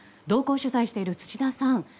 同行取材している土田さん。